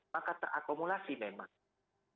maka terakumulasi memang